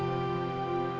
gak ada apa apa